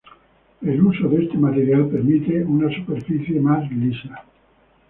El uso de este material permite una superficie más lisa.